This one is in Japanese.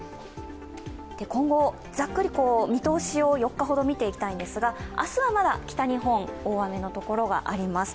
今後、ざっくり見通しを４日ほど見ていきたいんですが明日はまだ北日本、大雨の所があります。